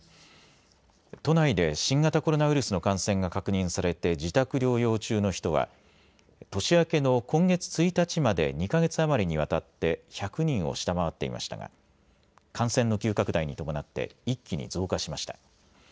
都内で新型コロナウイルスの感染が確認されて自宅療養中の人は年明けの今月１日まで２か月余りにわたって１００人を下回っていましたが感染の急拡大に伴って一気に増加しました。